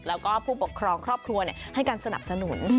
แล้วก็ผู้ปกครองครอบครัวให้การสนับสนุน